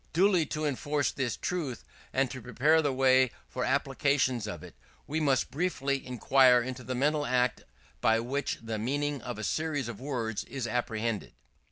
Duly to enforce this truth, and to prepare the way for applications of it, we must briefly inquire into the mental act by which the meaning of a series of words is apprehended.